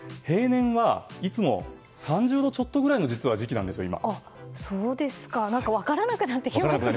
平年はいつも３０度ちょっとぐらいの時期なんです、今。